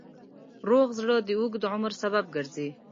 روغ زړه د اوږد عمر سبب ګرځي.